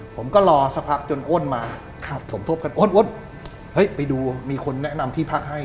ผมก็รอสักพักจนอ้นมาสมทบกันอ้วนเฮ้ยไปดูมีคนแนะนำที่พักให้